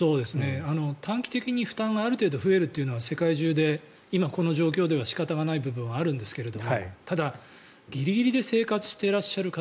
短期的に負担がある程度増えるというのは世界中で今、この状況では仕方がない部分はあるんですがただ、ギリギリで生活していらっしゃる方